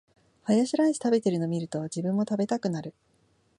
ハヤシライス食べてるの見ると、自分も食べたくなる